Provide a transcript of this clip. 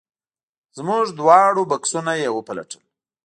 زموږ دواړه بکسونه یې وپلټل.